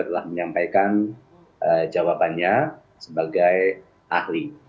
telah menyampaikan jawabannya sebagai ahli